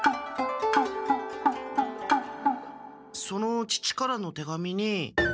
その父からの手紙に。